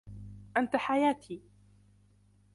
انت حياتي.